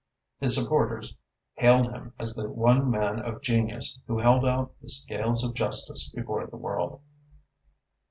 His supporters hailed him as the one man of genius who held out the scales of justice before the world.